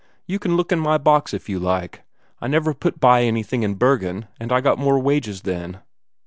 You can look in my box it you like. I never put by anything in Bergen, and. I got more wages then."